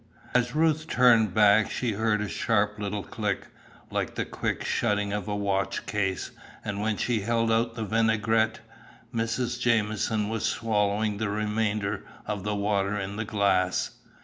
As Ruth turned back, she heard a sharp little click, like the quick shutting of a watch case, and when she held out the vinaigrette, Mrs. Jamieson was swallowing the remainder of the water in the glass.